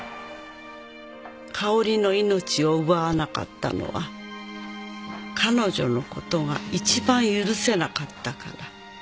「香織の命を奪わなかったのは彼女のことが一番許せなかったから」